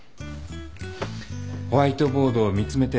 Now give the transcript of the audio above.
ホワイトボードを見詰めて。